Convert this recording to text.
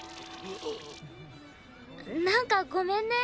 なんかごめんね。